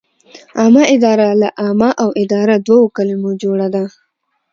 عامه اداره له عامه او اداره دوو کلمو جوړه ده.